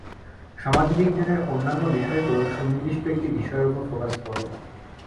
সমাজবিজ্ঞানের অন্যান্য বিষয়গুলো সুনির্দিষ্ট একটি বিষয়ের উপর ফোকাস করে।